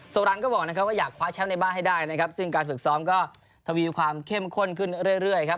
โบราณก็บอกนะครับว่าอยากคว้าแชมป์ในบ้านให้ได้นะครับซึ่งการฝึกซ้อมก็ทวีความเข้มข้นขึ้นเรื่อยครับ